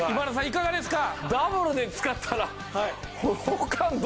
いかがですか？